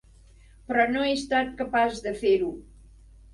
Però no he estat capaç de fer-ho.